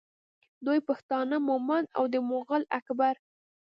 دوی پښتانه مومند او د مغول اکبر